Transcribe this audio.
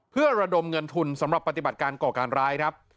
เพื่อระดมเงินทุนสำหรับปฏิบัติการก่อการร้ายครับ